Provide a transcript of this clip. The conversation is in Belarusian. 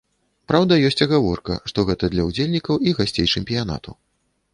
Праўда, ёсць агаворка, што гэта для ўдзельнікаў і гасцей чэмпіянату.